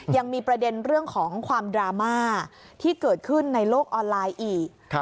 ยังมีประเด็นเรื่องของความดราม่าที่เกิดขึ้นในโลกออนไลน์อีก